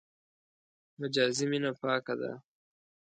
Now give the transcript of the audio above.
مجازي مینه پاکه ده.